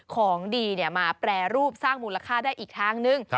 ของดีมาแปรรูปสร้างมูลค่าได้อีกทางนึง